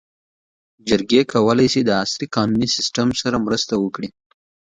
جرګې کولی سي د عصري قانوني سیسټم سره مرسته وکړي.